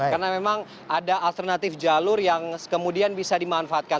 karena memang ada alternatif jalur yang kemudian bisa dimanfaatkan